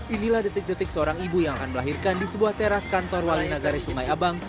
inilah detik detik seorang ibu yang akan melahirkan di sebuah teras kantor wali nagari sungai abang